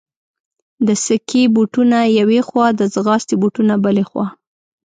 د سکې بوټونه یوې خوا، د ځغاستې بوټونه بلې خوا.